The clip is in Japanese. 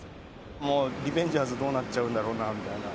もうリベンジャーズどうなっちゃうんだろうなみたいな。